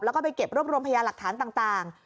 แล้วก็ไปเก็บรวบรวมพยาหลักฐานต่าง